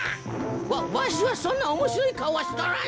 わわしはそんなおもしろいかおはしとらんぞ。